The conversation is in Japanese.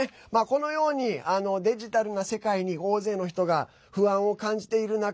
このように、デジタルな世界に大勢の人が不安を感じている中